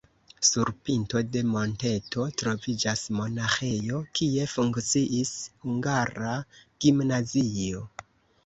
Sur pinto de monteto troviĝas monaĥejo, kie funkciis hungara gimnazio.